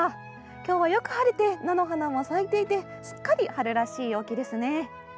今日は、よく晴れて菜の花も咲いていてすっかり春らしい陽気ですね。